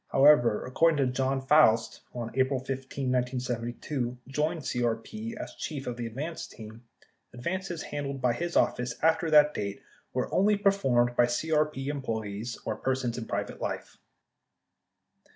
However, according to Jon Foust who, on April 15, 1972, joined CRP as chief of the advance team, advances handled by his office after that date were only performed by CRP employees or persons in private life.